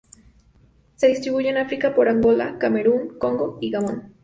Se distribuye en África por Angola, Camerún, Congo y Gabón.